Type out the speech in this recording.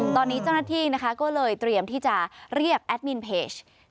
ตอนนี้เจ้าหน้าที่นะคะก็เลยเตรียมที่จะเรียกแอดมินเพจ